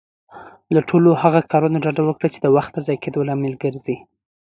له ټولو هغه کارونه ډډه وکړه، چې د وخت ضايع کيدو لامل ګرځي.